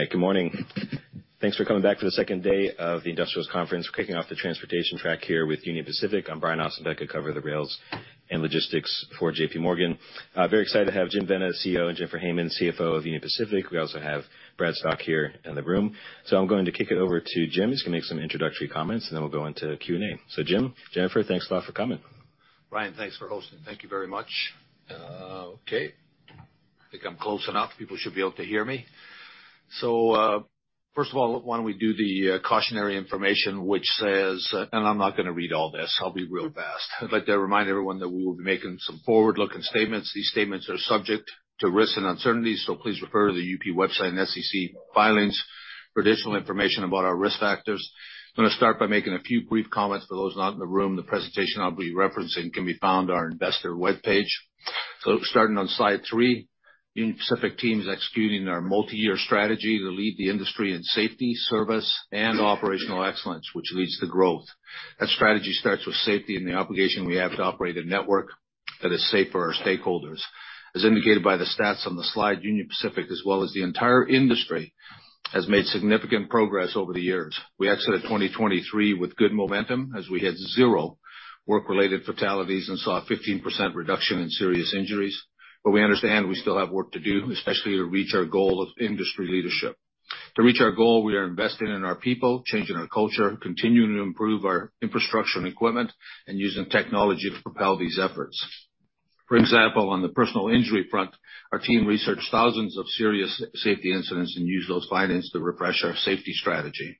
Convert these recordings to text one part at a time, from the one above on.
All right, good morning. Thanks for coming back for the second day of the Industrials Conference. We're kicking off the transportation track here with Union Pacific. I'm Brian Ossenbeck, I cover the rails and logistics for J.P. Morgan. Very excited to have Jim Vena, CEO, and Jennifer Hamann, CFO of Union Pacific. We also have Brad Thrasher here in the room. So I'm going to kick it over to Jim. He's going to make some introductory comments, and then we'll go into Q&A. So Jim, Jennifer, thanks a lot for coming. Brian, thanks for hosting. Thank you very much. Okay, I think I'm close enough, people should be able to hear me. So, first of all, why don't we do the, cautionary information which says, and I'm not going to read all this, I'll be real fast. I'd like to remind everyone that we will be making some forward-looking statements. These statements are subject to risks and uncertainties, so please refer to the UP website and SEC filings for additional information about our risk factors. I'm going to start by making a few brief comments for those not in the room. The presentation I'll be referencing can be found on our investor webpage. So starting on slide three, Union Pacific team is executing our multi-year strategy to lead the industry in safety, service, and operational excellence, which leads to growth. That strategy starts with safety and the obligation we have to operate a network that is safe for our stakeholders. As indicated by the stats on the slide, Union Pacific, as well as the entire industry, has made significant progress over the years. We exited 2023 with good momentum as we had zero work-related fatalities and saw a 15% reduction in serious injuries. But we understand we still have work to do, especially to reach our goal of industry leadership. To reach our goal, we are investing in our people, changing our culture, continuing to improve our infrastructure and equipment, and using technology to propel these efforts. For example, on the personal injury front, our team researched thousands of serious safety incidents and used those findings to refresh our safety strategy.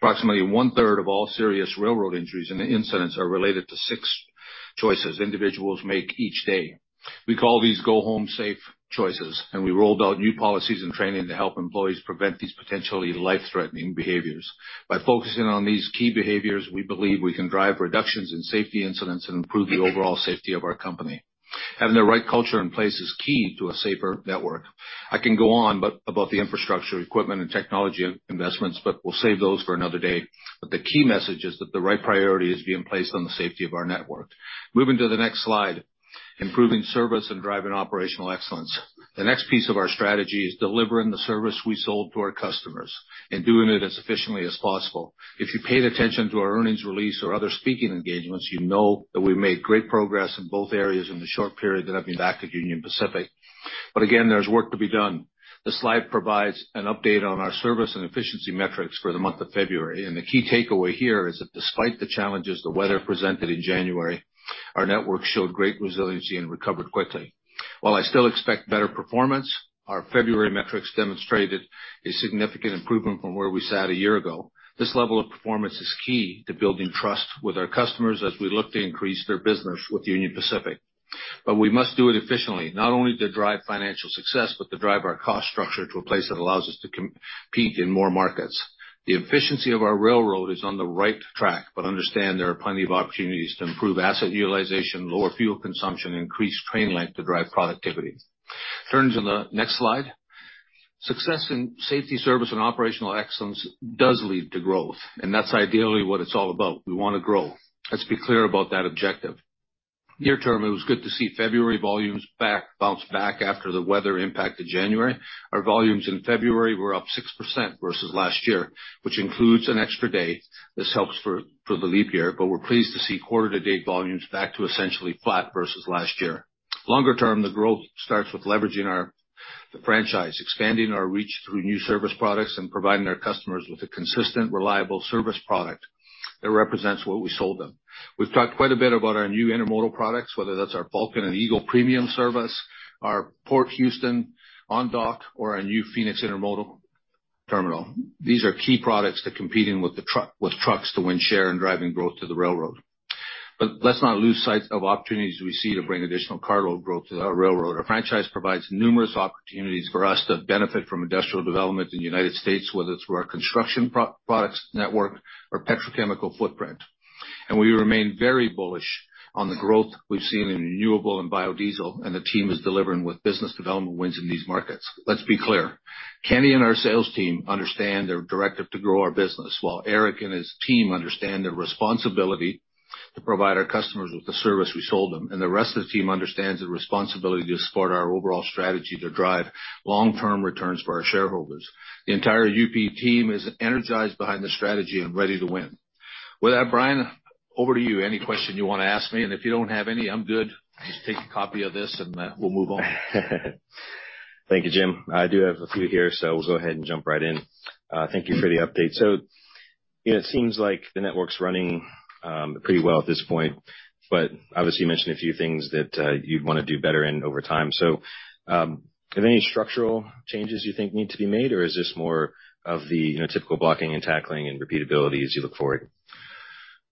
Approximately one-third of all serious railroad injuries and incidents are related to six choices individuals make each day. We call these Go Home Safe choices, and we rolled out new policies and training to help employees prevent these potentially life-threatening behaviors. By focusing on these key behaviors, we believe we can drive reductions in safety incidents and improve the overall safety of our company. Having the right culture in place is key to a safer network. I can go on, but we'll save those for another day. The key message is that the right priority is being placed on the safety of our network. Moving to the next slide, improving service and driving operational excellence. The next piece of our strategy is delivering the service we sold to our customers and doing it as efficiently as possible. If you paid attention to our earnings release or other speaking engagements, you know that we've made great progress in both areas in the short period that I've been back at Union Pacific. But again, there's work to be done. The slide provides an update on our service and efficiency metrics for the month of February, and the key takeaway here is that despite the challenges the weather presented in January, our network showed great resiliency and recovered quickly. While I still expect better performance, our February metrics demonstrated a significant improvement from where we sat a year ago. This level of performance is key to building trust with our customers as we look to increase their business with Union Pacific. But we must do it efficiently, not only to drive financial success, but to drive our cost structure to a place that allows us to compete in more markets. The efficiency of our railroad is on the right track, but understand there are plenty of opportunities to improve asset utilization, lower fuel consumption, and increase train length to drive productivity. Turn to the next slide. Success in safety, service, and operational excellence does lead to growth, and that's ideally what it's all about. We want to grow. Let's be clear about that objective. Near term, it was good to see February volumes bounce back after the weather impacted January. Our volumes in February were up 6% versus last year, which includes an extra day. This helps for the leap year, but we're pleased to see quarter-to-date volumes back to essentially flat versus last year. Longer term, the growth starts with leveraging our franchise, expanding our reach through new service products, and providing our customers with a consistent, reliable service product that represents what we sold them. We've talked quite a bit about our new intermodal products, whether that's our Falcon and Eagle Premium service, our Port Houston on-dock, or our new Phoenix Intermodal Terminal. These are key products to competing with the truck, with trucks to win share and driving growth to the railroad. But let's not lose sight of opportunities we see to bring additional cargo growth to our railroad. Our franchise provides numerous opportunities for us to benefit from industrial development in the United States, whether it's through our construction products network or petrochemical footprint. We remain very bullish on the growth we've seen in renewable and biodiesel, and the team is delivering with business development wins in these markets. Let's be clear, Kenny and our sales team understand their directive to grow our business, while Eric and his team understand their responsibility to provide our customers with the service we sold them, and the rest of the team understands the responsibility to support our overall strategy to drive long-term returns for our shareholders. The entire UP team is energized behind the strategy and ready to win. With that, Brian, over to you. Any question you want to ask me? And if you don't have any, I'm good. Just take a copy of this and, we'll move on. Thank you, Jim. I do have a few here, so we'll go ahead and jump right in. Thank you for the update. So it seems like the network's running pretty well at this point, but obviously, you mentioned a few things that you'd want to do better in over time. So, are there any structural changes you think need to be made, or is this more of the, you know, typical blocking and tackling and repeatability as you look forward?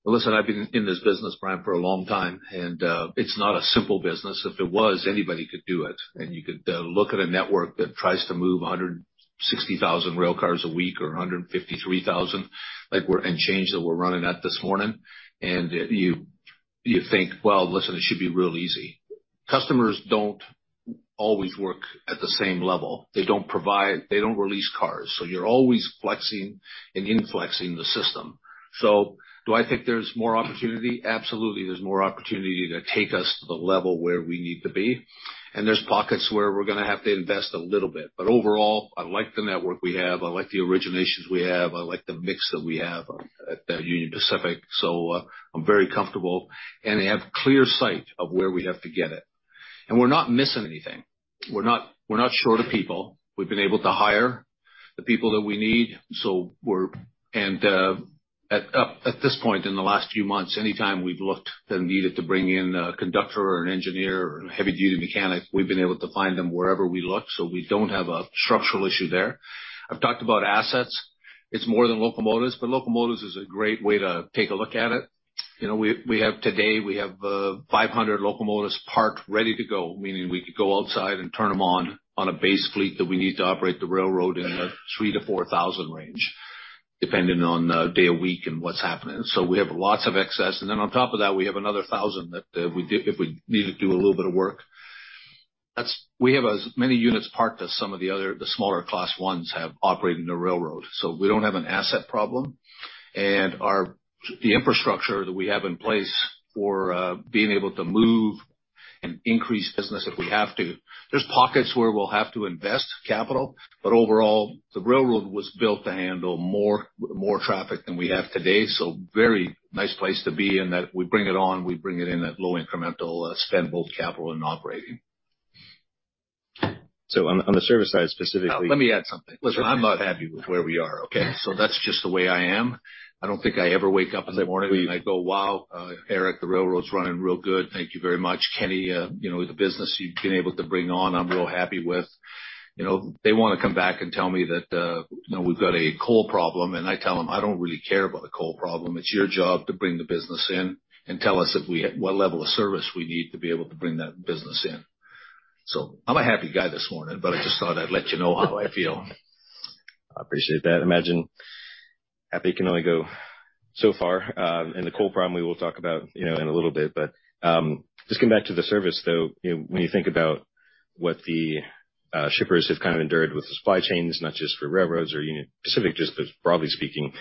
Well, listen, I've been in this business, Brian, for a long time, and it's not a simple business. If it was, anybody could do it, and you could look at a network that tries to move 160,000 rail cars a week or 153,000, like we're—and change that we're running at this morning, and you think, well, listen, it should be real easy. Customers don't always work at the same level. They don't provide—they don't release cars, so you're always flexing and inflexing the system. So do I think there's more opportunity? Absolutely, there's more opportunity to take us to the level where we need to be, and there's pockets where we're gonna have to invest a little bit. But overall, I like the network we have. I like the originations we have. I like the mix that we have at Union Pacific, so, I'm very comfortable, and they have clear sight of where we have to get it. We're not missing anything. We're not, we're not short of people. We've been able to hire the people that we need, so we're and, at this point, in the last few months, anytime we've looked and needed to bring in a conductor or an engineer or a heavy-duty mechanic, we've been able to find them wherever we look, so we don't have a structural issue there. I've talked about assets. It's more than locomotives, but locomotives is a great way to take a look at it. You know, we, we have today, we have 500 locomotives parked, ready to go, meaning we could go outside and turn them on on a base fleet that we need to operate the railroad in the 3,000-4,000 range, depending on the day of week and what's happening. So we have lots of excess, and then on top of that, we have another 1,000 that, if we need to do a little bit of work. That's we have as many units parked as some of the other, the smaller Class I's have operating the railroad, so we don't have an asset problem. And our infrastructure that we have in place for being able to move and increase business if we have to. There's pockets where we'll have to invest capital, but overall, the railroad was built to handle more, more traffic than we have today, so very nice place to be in, that we bring it on, we bring it in at low incremental spend, both capital and operating. So on the service side, specifically- Let me add something. Listen, I'm not happy with where we are, okay? So that's just the way I am. I don't think I ever wake up in the morning, and I go, "Wow, Eric, the railroad's running real good. Thank you very much. Kenny, you know, the business you've been able to bring on, I'm real happy with." You know, they wanna come back and tell me that, you know, we've got a coal problem, and I tell them: I don't really care about the coal problem. It's your job to bring the business in and tell us if we have—what level of service we need to be able to bring that business in. So I'm a happy guy this morning, but I just thought I'd let you know how I feel. I appreciate that. Imagine, happy can only go so far, and the coal problem, we will talk about, you know, in a little bit. But, just getting back to the service, though, you know, when you think about what the shippers have kind of endured with the supply chains, not just for railroads or Union Pacific, just broadly speaking,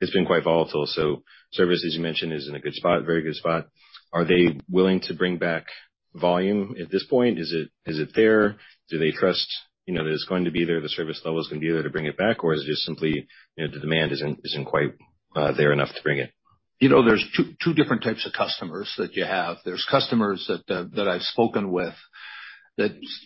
it's been quite volatile. So service, as you mentioned, is in a good spot, very good spot. Are they willing to bring back volume at this point? Is it there? Do they trust, you know, that it's going to be there, the service level is going to be there to bring it back, or is it just simply, you know, the demand isn't quite there enough to bring it? You know, there's two different types of customers that you have. There's customers that I've spoken with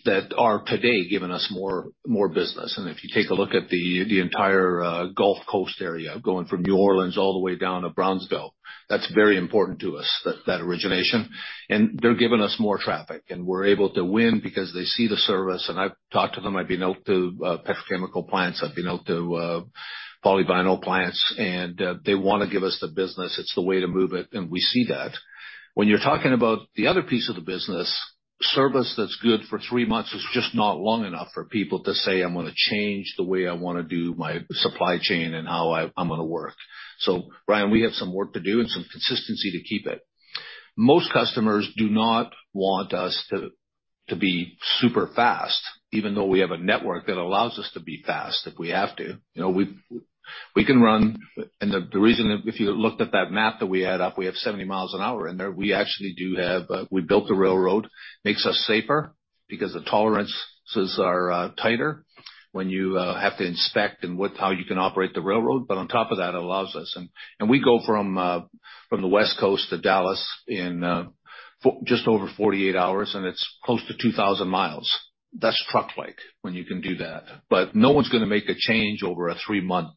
that are today giving us more business. And if you take a look at the entire Gulf Coast area, going from New Orleans all the way down to Brownsville, that's very important to us, that origination. And they're giving us more traffic, and we're able to win because they see the service. And I've talked to them. I've been out to petrochemical plants. I've been out to polyvinyl plants, and they want to give us the business. It's the way to move it, and we see that. When you're talking about the other piece of the business, service that's good for 3 months is just not long enough for people to say, I'm gonna change the way I wanna do my supply chain and how I'm gonna work. So, Brian, we have some work to do and some consistency to keep it. Most customers do not want us to, to be super fast, even though we have a network that allows us to be fast if we have to. You know, we, we can run, and the, the reason, if you looked at that map that we had up, we have 70 miles an hour in there. We actually do have, we built the railroad. Makes us safer because the tolerances are, tighter when you, have to inspect and with how you can operate the railroad. But on top of that, it allows us... And we go from the West Coast to Dallas in for just over 48 hours, and it's close to 2,000 miles. That's truck-like when you can do that. But no one's gonna make a change over a three-month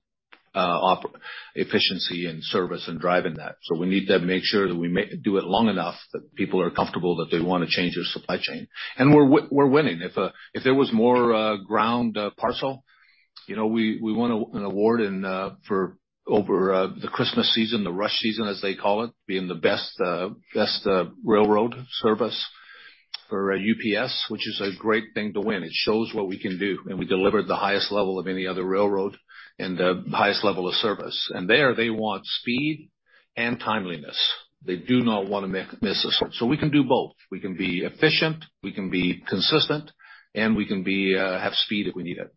efficiency and service and driving that. So we need to make sure that we do it long enough, that people are comfortable that they want to change their supply chain. And we're winning. If there was more ground parcel, you know, we won an award in for over the Christmas season, the rush season, as they call it, being the best railroad service for UPS, which is a great thing to win. It shows what we can do, and we delivered the highest level of any other railroad and the highest level of service. And there, they want speed and timeliness. They do not want to miss a sort. So we can do both. We can be efficient, we can be consistent, and we can be, have speed if we need it.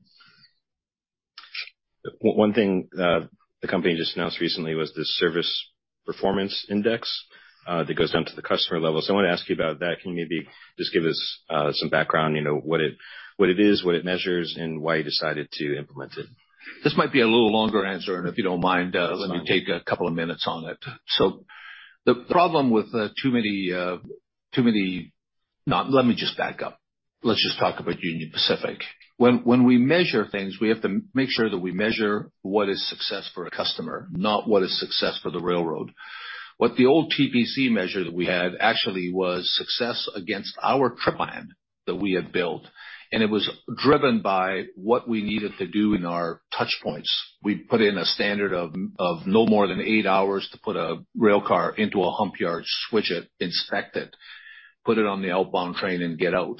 One thing, the company just announced recently was this Service Performance Index that goes down to the customer level. So I want to ask you about that. Can you maybe just give us some background, you know, what it is, what it measures, and why you decided to implement it? This might be a little longer answer, and if you don't mind, let me take a couple of minutes on it. Now, let me just back up. Let's just talk about Union Pacific. When we measure things, we have to make sure that we measure what is success for a customer, not what is success for the railroad. What the old TPC measure that we had actually was success against our trip plan that we had built, and it was driven by what we needed to do in our touch points. We put in a standard of no more than eight hours to put a rail car into a hump yard, switch it, inspect it, put it on the outbound train and get out.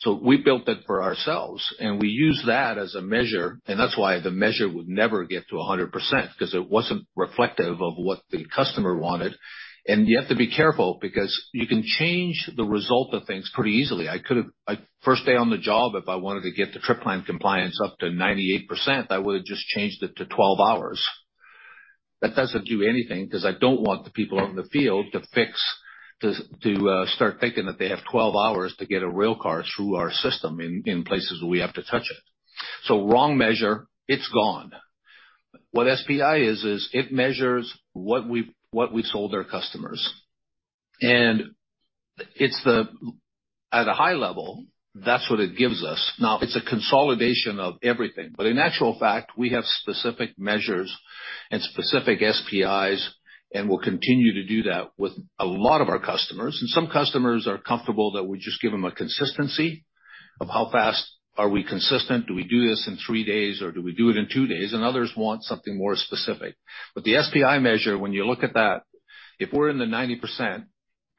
So we built that for ourselves, and we use that as a measure, and that's why the measure would never get to 100%, because it wasn't reflective of what the customer wanted. And you have to be careful because you can change the result of things pretty easily. I could have—I, first day on the job, if I wanted to get the trip plan compliance up to 98%, I would have just changed it to 12 hours. That doesn't do anything because I don't want the people out in the field to fix, to start thinking that they have 12 hours to get a rail car through our system in places where we have to touch it. So wrong measure, it's gone. What SPI is, is it measures what we've sold our customers. And it's at a high level, that's what it gives us. Now, it's a consolidation of everything, but in actual fact, we have specific measures and specific SPIs, and we'll continue to do that with a lot of our customers. And some customers are comfortable that we just give them a consistency of how fast are we consistent? Do we do this in three days, or do we do it in two days? And others want something more specific. But the SPI measure, when you look at that, if we're in the 90%,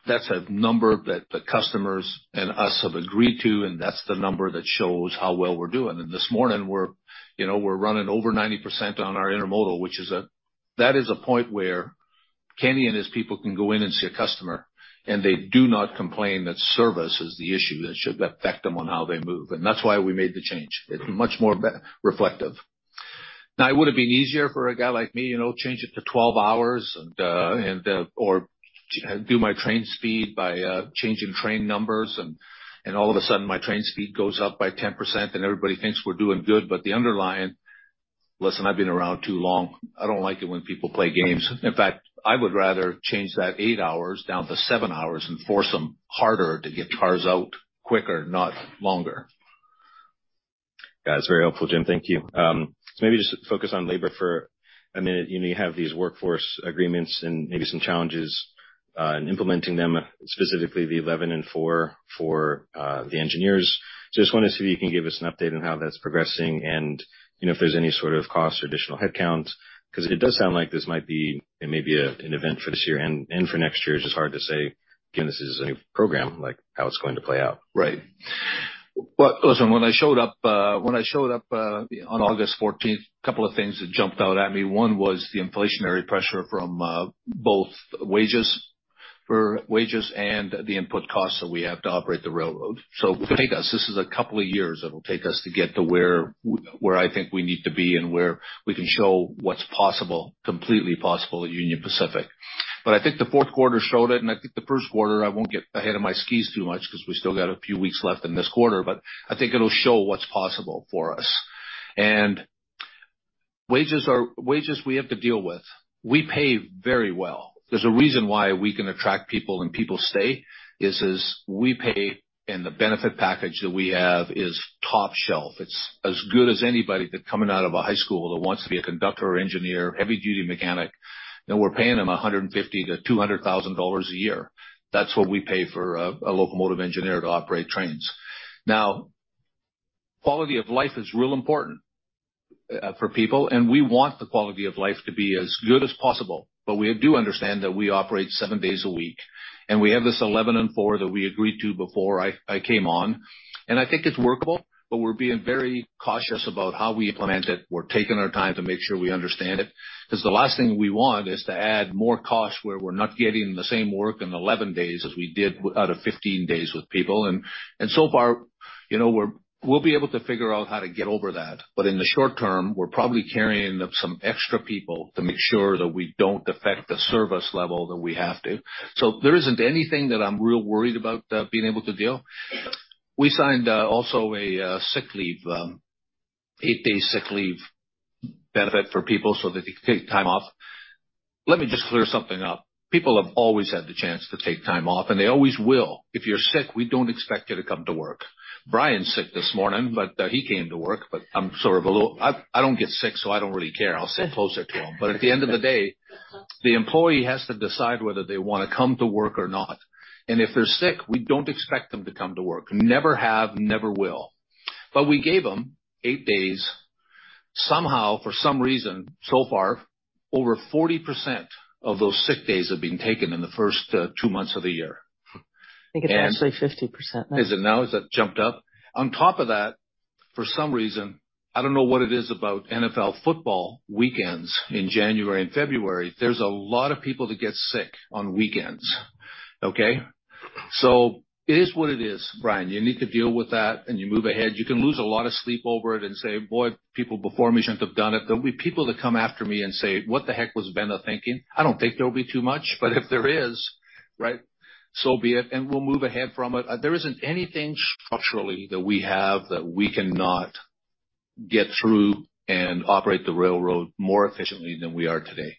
that's a number that the customers and us have agreed to, and that's the number that shows how well we're doing. And this morning, you know, we're running over 90% on our intermodal, which is a—that is a point where Kenny and his people can go in and see a customer, and they do not complain that service is the issue that should affect them on how they move, and that's why we made the change. It's much more reflective. Now, it would have been easier for a guy like me, you know, change it to 12 hours and, or do my train speed by changing train numbers and all of a sudden, my train speed goes up by 10%, and everybody thinks we're doing good. But the underlying... Listen, I've been around too long. I don't like it when people play games. In fact, I would rather change that 8 hours down to 7 hours and force them harder to get cars out quicker, not longer. That's very helpful, Jim. Thank you. Maybe just focus on labor for a minute. You know, you have these workforce agreements and maybe some challenges in implementing them, specifically the 11 and 4 for the engineers. Just wanted to see if you can give us an update on how that's progressing and, you know, if there's any sort of cost or additional headcount, because it does sound like this might be, it may be an event for this year and for next year. It's just hard to say, given this is a new program, like, how it's going to play out. Right. But listen, when I showed up on August fourteenth, a couple of things that jumped out at me. One was the inflationary pressure from both wages and the input costs that we have to operate the railroad. So it will take us a couple of years to get to where I think we need to be and where we can show what's possible, completely possible at Union Pacific. But I think the fourth quarter showed it, and I think the first quarter. I won't get ahead of my skis too much because we still got a few weeks left in this quarter, but I think it'll show what's possible for us. And wages are wages we have to deal with. We pay very well. There's a reason why we can attract people, and people stay, is we pay, and the benefit package that we have is top shelf. It's as good as anybody that's coming out of a high school that wants to be a conductor or engineer, heavy duty mechanic, and we're paying them $150,000-$200,000 a year. That's what we pay for a locomotive engineer to operate trains. Now, quality of life is real important, for people, and we want the quality of life to be as good as possible. But we do understand that we operate seven days a week, and we have this 11 and four that we agreed to before I came on. And I think it's workable, but we're being very cautious about how we implement it. We're taking our time to make sure we understand it, because the last thing we want is to add more costs where we're not getting the same work in 11 days as we did out of 15 days with people. And so far, you know, we'll be able to figure out how to get over that. But in the short term, we're probably carrying some extra people to make sure that we don't affect the service level that we have to. So there isn't anything that I'm real worried about being able to deal. We signed also an 8-day sick leave benefit for people so that they can take time off. Let me just clear something up. People have always had the chance to take time off, and they always will. If you're sick, we don't expect you to come to work. Brian's sick this morning, but he came to work. But I'm sort of a little, I, I don't get sick, so I don't really care. I'll sit closer to him. But at the end of the day, the employee has to decide whether they want to come to work or not. If they're sick, we don't expect them to come to work. Never have, never will. But we gave them eight days. Somehow, for some reason, so far, over 40% of those sick days have been taken in the first two months of the year. I think it's actually 50% now. Is it now? Is that jumped up? On top of that, for some reason, I don't know what it is about NFL football weekends in January and February, there's a lot of people that get sick on weekends. Okay? So it is what it is, Brian. You need to deal with that, and you move ahead. You can lose a lot of sleep over it and say: "Boy, people before me shouldn't have done it." There'll be people that come after me and say: "What the heck was Vena thinking?" I don't think there'll be too much, but if there is, right, so be it, and we'll move ahead from it. There isn't anything structurally that we have that we cannot get through and operate the railroad more efficiently than we are today.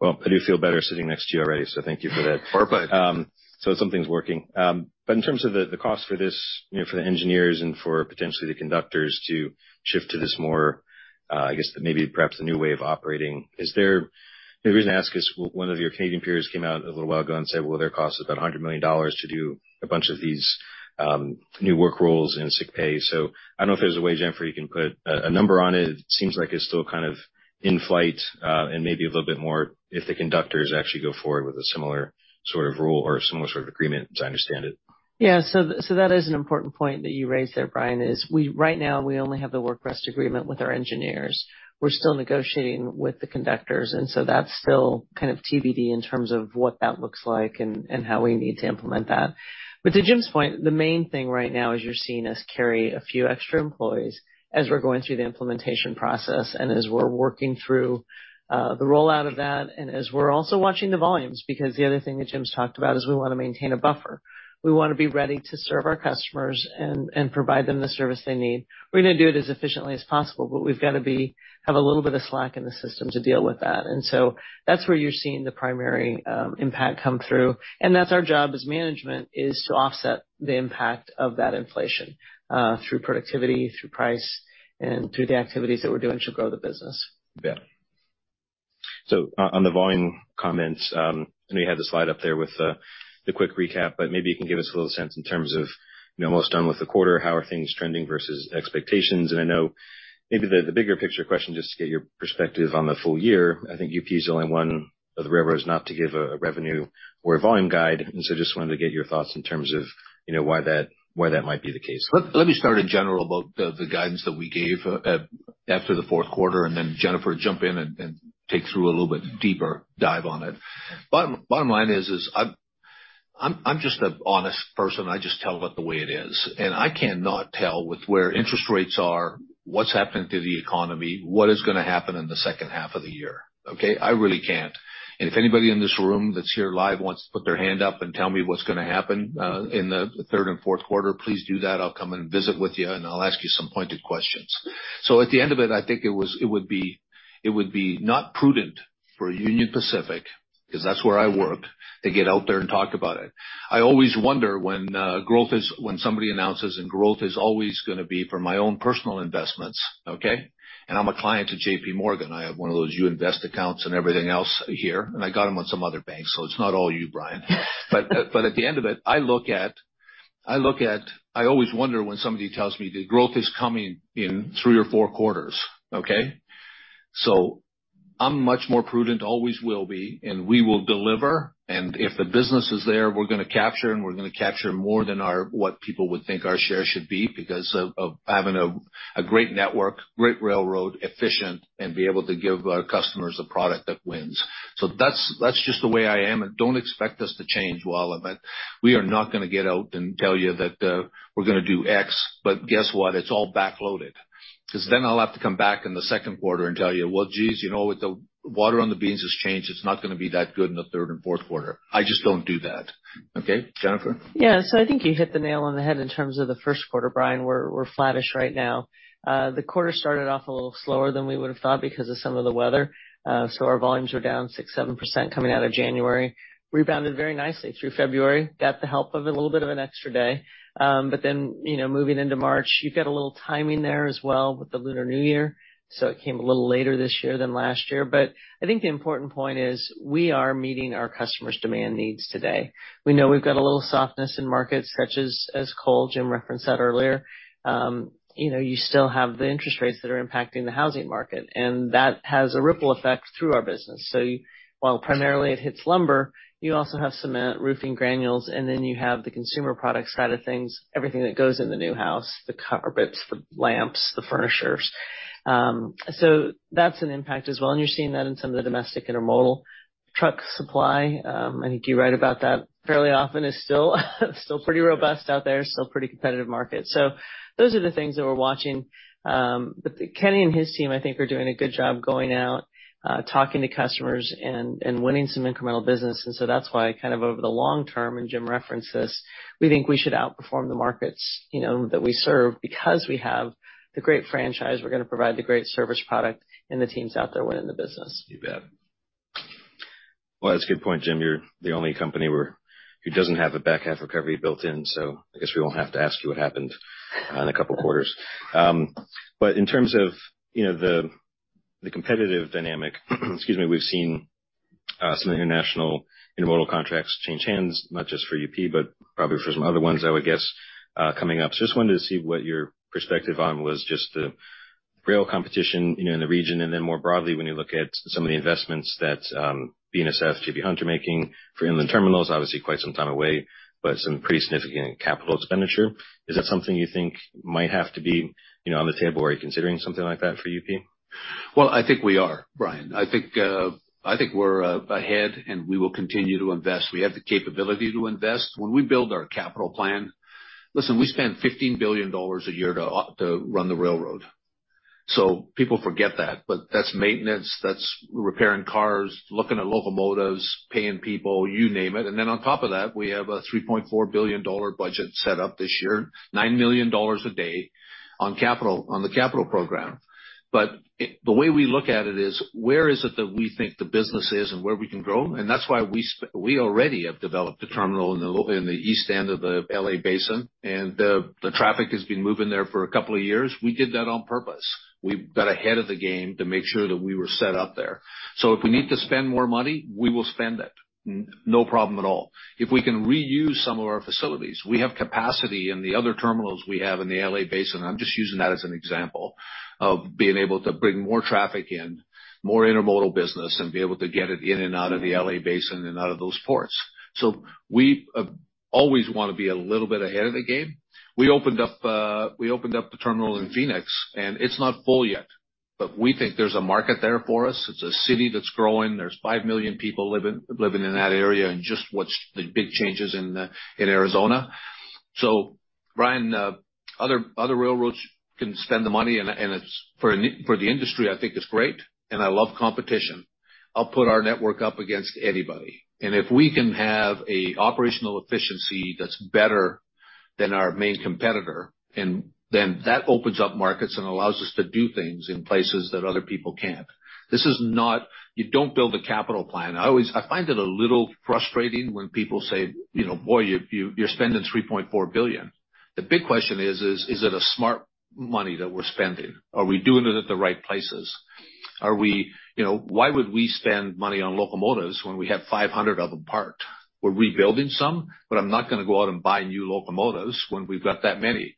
Well, I do feel better sitting next to you already, so thank you for that. Perfect. So something's working. But in terms of the cost for this, you know, for the engineers and for potentially the conductors to shift to this more, I guess, maybe perhaps a new way of operating, is there? The reason I ask is, one of your Canadian peers came out a little while ago and said, well, their cost is about $100 million to do a bunch of these new work roles and sick pay. So I don't know if there's a way, Jim, for you can put a number on it. It seems like it's still kind of in flight, and maybe a little bit more if the conductors actually go forward with a similar sort of role or a similar sort of agreement, as I understand it.... Yeah, so, so that is an important point that you raised there, Brian, is we right now, we only have the work rest agreement with our engineers. We're still negotiating with the conductors, and so that's still kind of TBD in terms of what that looks like and, and how we need to implement that. But to Jim's point, the main thing right now is you're seeing us carry a few extra employees as we're going through the implementation process and as we're working through, the rollout of that, and as we're also watching the volumes. Because the other thing that Jim's talked about is we want to maintain a buffer. We want to be ready to serve our customers and, and provide them the service they need. We're going to do it as efficiently as possible, but we've got to have a little bit of slack in the system to deal with that. And so that's where you're seeing the primary impact come through. And that's our job as management, is to offset the impact of that inflation through productivity, through price, and through the activities that we're doing to grow the business. Yeah. So on the volume comments, I know you had the slide up there with the quick recap, but maybe you can give us a little sense in terms of, you know, almost done with the quarter, how are things trending versus expectations? And I know maybe the bigger picture question, just to get your perspective on the full year, I think UP is the only one of the railroads not to give a revenue or a volume guide. And so just wanted to get your thoughts in terms of, you know, why that might be the case. Let me start in general about the guidance that we gave after the fourth quarter, and then, Jennifer, jump in and take through a little bit deeper dive on it. Bottom line is, I'm just an honest person. I just tell it the way it is, and I cannot tell with where interest rates are, what's happening to the economy, what is going to happen in the second half of the year, okay? I really can't. And if anybody in this room that's here live wants to put their hand up and tell me what's going to happen in the third and fourth quarter, please do that. I'll come and visit with you, and I'll ask you some pointed questions. So at the end of it, I think it would be, it would be not prudent for Union Pacific, because that's where I worked, to get out there and talk about it. I always wonder when growth is—when somebody announces, and growth is always going to be for my own personal investments, okay? And I'm a client to J.P. Morgan. I have one of those You Invest accounts and everything else here, and I got them on some other banks, so it's not all you, Brian. But at the end of it, I look at, I look at—I always wonder when somebody tells me the growth is coming in three or four quarters, okay? So I'm much more prudent, always will be, and we will deliver. And if the business is there, we're going to capture it, and we're going to capture more than our, what people would think our share should be, because of having a great network, great railroad, efficient, and be able to give our customers a product that wins. So that's just the way I am, and don't expect us to change, Brian. We are not going to get out and tell you that we're going to do X, but guess what? It's all backloaded. Because then I'll have to come back in the second quarter and tell you, "Well, geez, you know, with the water on the beans has changed, it's not going to be that good in the third and fourth quarter." I just don't do that. Okay, Jennifer? Yeah. So I think you hit the nail on the head in terms of the first quarter, Brian. We're, we're flattish right now. The quarter started off a little slower than we would have thought because of some of the weather. So our volumes were down 6%-7% coming out of January. Rebounded very nicely through February, got the help of a little bit of an extra day. But then, you know, moving into March, you've got a little timing there as well with the Lunar New Year, so it came a little later this year than last year. But I think the important point is, we are meeting our customers' demand needs today. We know we've got a little softness in markets such as, as coal, Jim referenced that earlier. You know, you still have the interest rates that are impacting the housing market, and that has a ripple effect through our business. So while primarily it hits lumber, you also have cement, roofing granules, and then you have the consumer products side of things, everything that goes in the new house, the carpets, the lamps, the furniture. So that's an impact as well, and you're seeing that in some of the domestic intermodal truck supply. I think you write about that fairly often; it is still pretty robust out there, still pretty competitive market. So those are the things that we're watching. But Kenny and his team, I think, are doing a good job going out, talking to customers and winning some incremental business. So that's why kind of over the long term, and Jim referenced this, we think we should outperform the markets, you know, that we serve. Because we have the great franchise, we're going to provide the great service product, and the teams out there winning the business. You bet. Well, that's a good point, Jim. You're the only company who doesn't have a back half recovery built in, so I guess we won't have to ask you what happened in a couple of quarters. But in terms of, you know, the competitive dynamic, excuse me, we've seen some international intermodal contracts change hands, not just for UP, but probably for some other ones, I would guess, coming up. So just wanted to see what your perspective on was, just the rail competition, you know, in the region, and then more broadly, when you look at some of the investments that BNSF, J.B. Hunt, making for inland terminals, obviously quite some time away, but some pretty significant capital expenditure. Is that something you think might have to be, you know, on the table, or are you considering something like that for UP? Well, I think we are, Brian. I think we're ahead, and we will continue to invest. We have the capability to invest. When we build our capital plan... Listen, we spend $15 billion a year to run the railroad, so people forget that. But that's maintenance, that's repairing cars, looking at locomotives, paying people, you name it. And then on top of that, we have a $3.4 billion budget set up this year, $9 million a day on the capital program. But the way we look at it is, where is it that we think the business is and where we can grow? That's why we already have developed a terminal in the east end of the LA Basin, and the traffic has been moving there for a couple of years. We did that on purpose. We got ahead of the game to make sure that we were set up there. So if we need to spend more money, we will spend it, no problem at all. If we can reuse some of our facilities, we have capacity in the other terminals we have in the LA Basin. I'm just using that as an example of being able to bring more traffic in, more intermodal business, and be able to get it in and out of the LA Basin and out of those ports. So we always want to be a little bit ahead of the game. We opened up, we opened up the terminal in Phoenix, and it's not full yet, but we think there's a market there for us. It's a city that's growing. There's 5 million people living in that area and just what's the big changes in, in Arizona. So Brian, other, other railroads can spend the money, and, and it's for, for the industry, I think it's great, and I love competition. I'll put our network up against anybody. And if we can have a operational efficiency that's better than our main competitor, and then that opens up markets and allows us to do things in places that other people can't. This is not. You don't build a capital plan. I always find it a little frustrating when people say, "You know, boy, you're spending $3.4 billion." The big question is: Is it smart money that we're spending? Are we doing it at the right places? Are we—You know, why would we spend money on locomotives when we have 500 of them parked? We're rebuilding some, but I'm not gonna go out and buy new locomotives when we've got that many.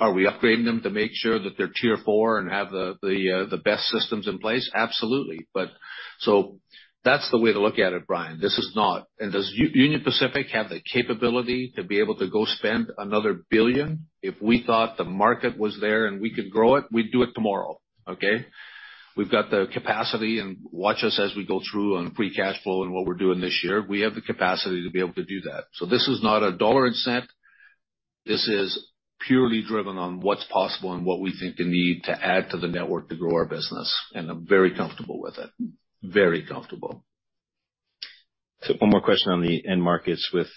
Are we upgrading them to make sure that they're Tier 4 and have the best systems in place? Absolutely. But so that's the way to look at it, Brian. This is not... And does Union Pacific have the capability to be able to go spend another $1 billion? If we thought the market was there and we could grow it, we'd do it tomorrow, okay? We've got the capacity, and watch us as we go through on free cash flow and what we're doing this year. We have the capacity to be able to do that. So this is not a dollar and cent. This is purely driven on what's possible and what we think the need to add to the network to grow our business. And I'm very comfortable with it. Very comfortable. So one more question on the end markets with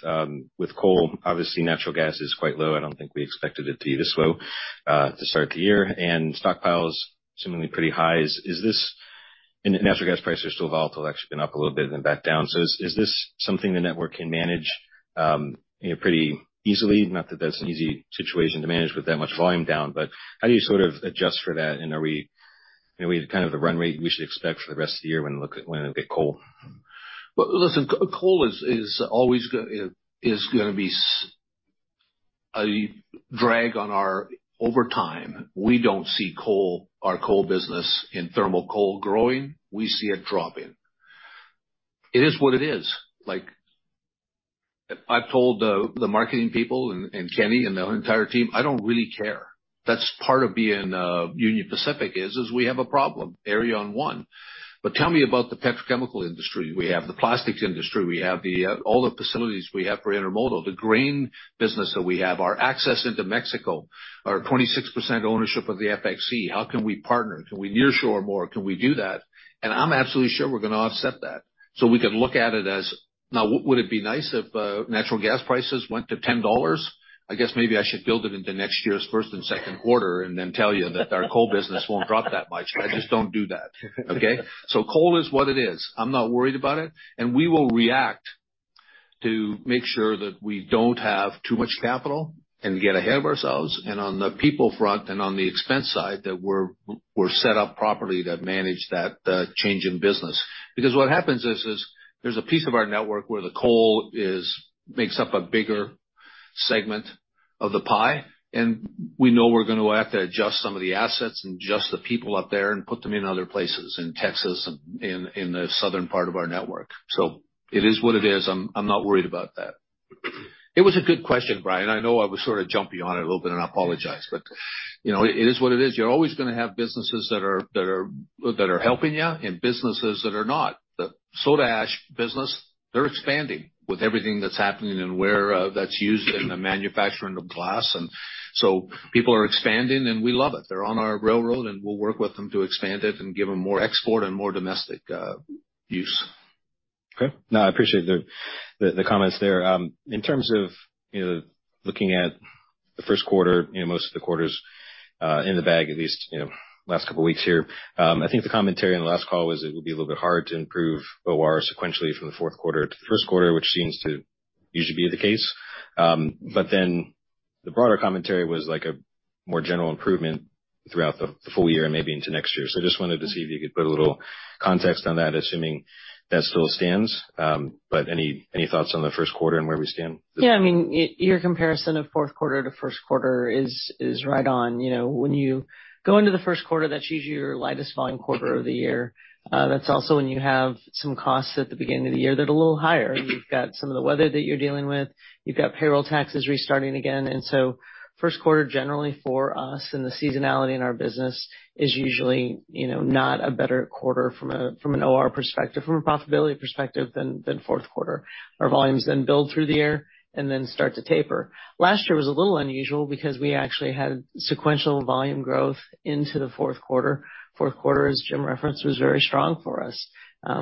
coal. Obviously, natural gas is quite low. I don't think we expected it to be this low to start the year, and stockpiles seemingly pretty high. Is this, and natural gas prices are still volatile, actually been up a little bit and then back down. So is this something the network can manage, you know, pretty easily? Not that that's an easy situation to manage with that much volume down, but how do you sort of adjust for that? And are we, you know, kind of the run rate we should expect for the rest of the year when we look at coal? Well, listen, coal is always gonna be a drag on our... Over time, we don't see coal, our coal business in thermal coal growing. We see it dropping. It is what it is. Like, I've told the marketing people and Kenny and the entire team, "I don't really care." That's part of being Union Pacific, is we have a problem, area one. But tell me about the petrochemical industry. We have the plastics industry, we have all the facilities we have for intermodal, the grain business that we have, our access into Mexico, our 26% ownership of the FXE. How can we partner? Can we nearshore more? Can we do that? And I'm absolutely sure we're gonna offset that. So we can look at it as, now, would it be nice if natural gas prices went to $10? I guess maybe I should build it into next year's first and second quarter, and then tell you that our coal business won't drop that much, but I just don't do that, okay? So coal is what it is. I'm not worried about it, and we will react to make sure that we don't have too much capital and get ahead of ourselves, and on the people front and on the expense side, that we're set up properly to manage that change in business. Because what happens is, there's a piece of our network where the coal makes up a bigger segment of the pie, and we know we're gonna have to adjust some of the assets and adjust the people up there and put them in other places, in Texas and in the southern part of our network. So it is what it is. I'm not worried about that. It was a good question, Brian. I know I was sort of jumpy on it a little bit, and I apologize, but, you know, it is what it is. You're always gonna have businesses that are helping you and businesses that are not. The soda ash business, they're expanding with everything that's happening and where that's used in the manufacturing of glass, and so people are expanding, and we love it. They're on our railroad, and we'll work with them to expand it and give them more export and more domestic use. Okay. No, I appreciate the comments there. In terms of, you know, looking at the first quarter, you know, most of the quarter's in the bag, at least, you know, last couple of weeks here. I think the commentary on the last call was it would be a little bit hard to improve OR sequentially from the fourth quarter to the first quarter, which seems to usually be the case. But then the broader commentary was like a more general improvement throughout the full year and maybe into next year. So I just wanted to see if you could put a little context on that, assuming that still stands. But any thoughts on the first quarter and where we stand? Yeah, I mean, your comparison of fourth quarter to first quarter is, is right on. You know, when you go into the first quarter, that's usually your lightest volume quarter of the year. That's also when you have some costs at the beginning of the year, that are a little higher. You've got some of the weather that you're dealing with. You've got payroll taxes restarting again. And so first quarter, generally for us, and the seasonality in our business is usually, you know, not a better quarter from a, from an OR perspective, from a profitability perspective than, than fourth quarter. Our volumes then build through the year and then start to taper. Last year was a little unusual because we actually had sequential volume growth into the fourth quarter. Fourth quarter, as Jim referenced, was very strong for us.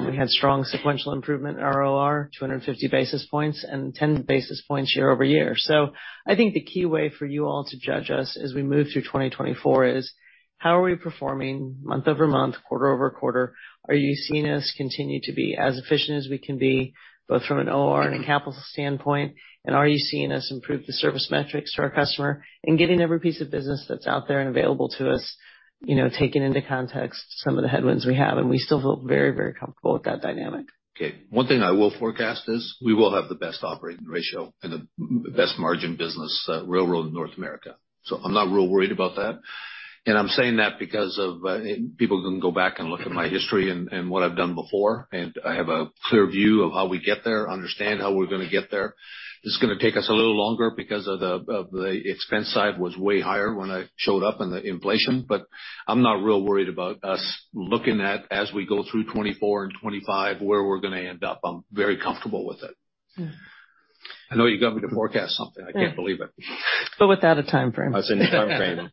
We had strong sequential improvement in our OR, 250 basis points and 10 basis points year-over-year. So I think the key way for you all to judge us as we move through 2024 is: How are we performing month-over-month, quarter-over-quarter? Are you seeing us continue to be as efficient as we can be, both from an OR and a capital standpoint? Are you seeing us improve the service metrics to our customer and getting every piece of business that's out there and available to us?... You know, taking into context some of the headwinds we have, and we still feel very, very comfortable with that dynamic. Okay, one thing I will forecast is we will have the best operating ratio and the best margin business, railroad in North America. So I'm not real worried about that. And I'm saying that because of, and people can go back and look at my history and, what I've done before, and I have a clear view of how we get there, understand how we're gonna get there. It's gonna take us a little longer because of the, expense side was way higher when I showed up, and the inflation, but I'm not real worried about us looking at, as we go through 2024 and 2025, where we're gonna end up. I'm very comfortable with it. Mm. I know you got me to forecast something. I can't believe it. But without a timeframe. I said no timeframe.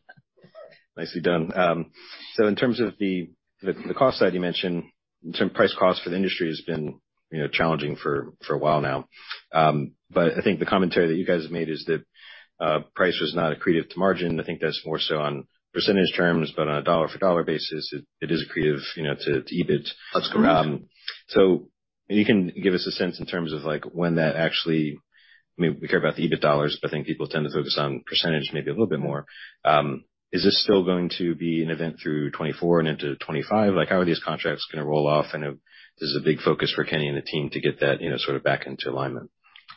Nicely done. So in terms of the cost side, you mentioned, in terms of price cost for the industry has been, you know, challenging for a while now. But I think the commentary that you guys have made is that price was not accretive to margin. I think that's more so on percentage terms, but on a dollar-for-dollar basis, it is accretive, you know, to EBIT. That's correct. So, can you give us a sense in terms of like when that actually... I mean, we care about the EBIT dollars, but I think people tend to focus on percentage maybe a little bit more. Is this still going to be an event through 2024 and into 2025? Like, how are these contracts gonna roll off? And if this is a big focus for Kenny and the team to get that, you know, sort of back into alignment.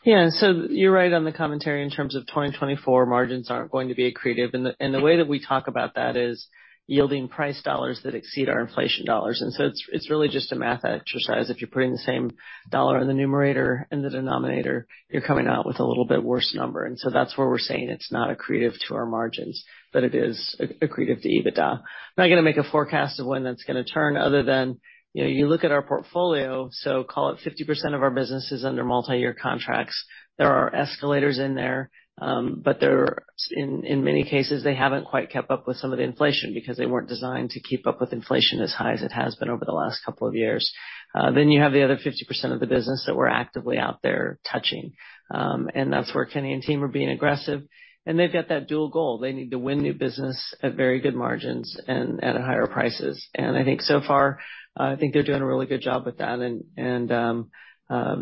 Yeah. So you're right on the commentary in terms of 2024; margins aren't going to be accretive. And the, and the way that we talk about that is yielding price dollars that exceed our inflation dollars. And so it's, it's really just a math exercise. If you're putting the same dollar in the numerator and the denominator, you're coming out with a little bit worse number. And so that's where we're saying it's not accretive to our margins, but it is accretive to EBITDA. I'm not gonna make a forecast of when that's gonna turn, other than, you know, you look at our portfolio, so call it 50% of our business is under multiyear contracts. There are escalators in there, but they're in many cases they haven't quite kept up with some of the inflation because they weren't designed to keep up with inflation as high as it has been over the last couple of years. Then you have the other 50% of the business that we're actively out there touching. And that's where Kenny and team are being aggressive, and they've got that dual goal. They need to win new business at very good margins and at higher prices. And I think so far, I think they're doing a really good job with that and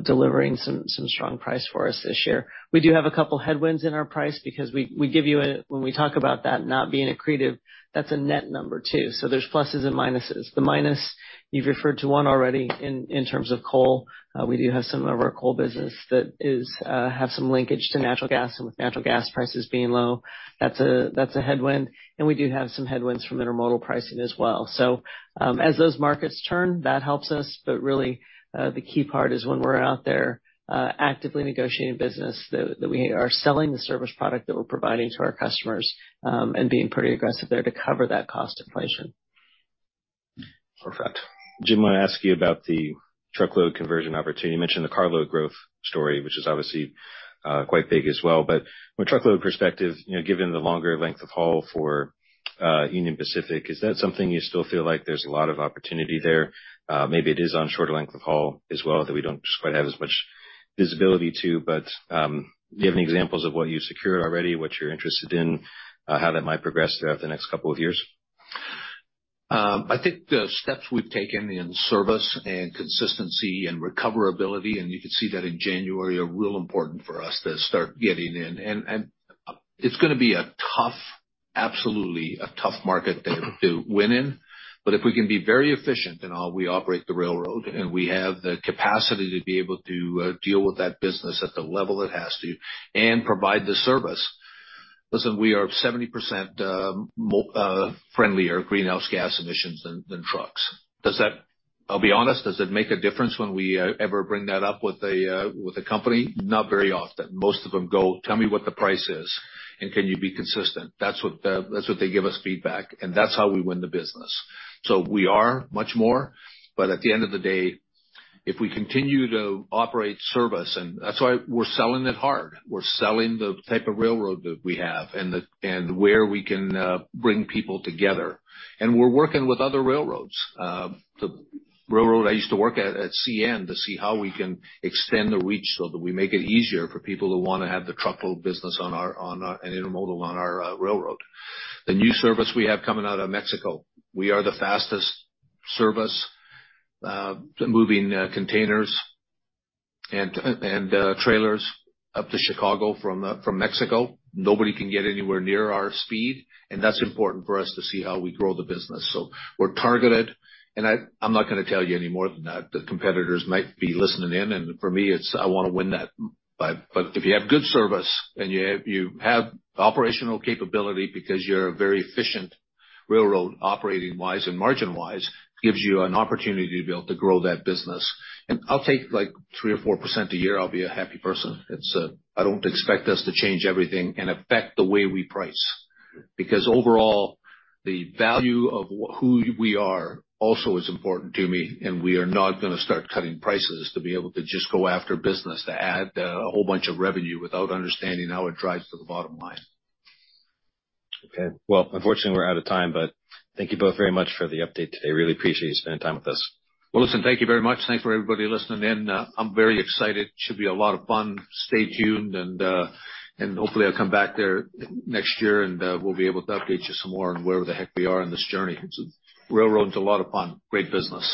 delivering some strong price for us this year. We do have a couple headwinds in our price because we give you a—when we talk about that not being accretive, that's a net number, too. So there's pluses and minuses. The minus, you've referred to one already in terms of coal. We do have some of our coal business that is have some linkage to natural gas, and with natural gas prices being low, that's a headwind, and we do have some headwinds from intermodal pricing as well. So, as those markets turn, that helps us. But really, the key part is when we're out there actively negotiating business, that we are selling the service product that we're providing to our customers, and being pretty aggressive there to cover that cost inflation. Perfect. Jim, I want to ask you about the truckload conversion opportunity. You mentioned the carload growth story, which is obviously quite big as well. But from a truckload perspective, you know, given the longer length of haul for Union Pacific, is that something you still feel like there's a lot of opportunity there? Maybe it is on shorter length of haul as well, that we don't quite have as much visibility to, but do you have any examples of what you've secured already, what you're interested in, how that might progress throughout the next couple of years? I think the steps we've taken in service and consistency and recoverability, and you can see that in January, are real important for us to start getting in. And it's gonna be a tough, absolutely a tough market to win in. But if we can be very efficient in how we operate the railroad, and we have the capacity to be able to deal with that business at the level it has to and provide the service. Listen, we are 70% friendlier greenhouse gas emissions than trucks. Does that—I'll be honest, does it make a difference when we ever bring that up with a company? Not very often. Most of them go: "Tell me what the price is, and can you be consistent?" That's what the, that's what they give us feedback, and that's how we win the business. So we are much more, but at the end of the day, if we continue to operate service, and that's why we're selling it hard. We're selling the type of railroad that we have and the and where we can bring people together. And we're working with other railroads. The railroad I used to work at, at CN, to see how we can extend the reach so that we make it easier for people who want to have the truckload business on our, on our, and intermodal on our, railroad. The new service we have coming out of Mexico, we are the fastest service, moving containers and trailers up to Chicago from Mexico. Nobody can get anywhere near our speed, and that's important for us to see how we grow the business. So we're targeted, and I'm not gonna tell you any more than that. The competitors might be listening in, and for me, it's. I wanna win that. But if you have good service and you have operational capability because you're a very efficient railroad, operating wise and margin wise, gives you an opportunity to be able to grow that business. And I'll take, like, 3 or 4% a year, I'll be a happy person. It's, I don't expect us to change everything and affect the way we price, because overall, the value of who we are also is important to me, and we are not gonna start cutting prices to be able to just go after business to add a whole bunch of revenue without understanding how it drives to the bottom line. Okay. Well, unfortunately, we're out of time, but thank you both very much for the update today. Really appreciate you spending time with us. Well, listen, thank you very much. Thanks for everybody listening in. I'm very excited. Should be a lot of fun. Stay tuned and hopefully I'll come back there next year, and we'll be able to update you some more on where the heck we are in this journey. Railroad's a lot of fun, great business.